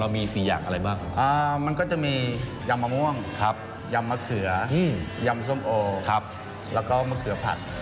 มันก็จะมียำมะม่วงยำมะเขือยำส้มโอแล้วก็มะเขือผัด